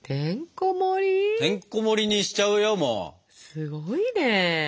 すごいね。